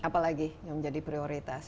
apa lagi yang menjadi prioritas